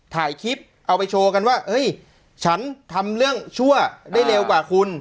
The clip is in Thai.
ถ่ายคลิปเอาไปโชว์กันว่าเฮ้ยฉันทำเรื่องชั่วได้เร็วกว่าคุณ